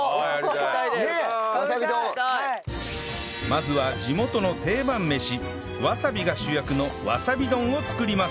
まずは地元の定番飯わさびが主役のわさび丼を作ります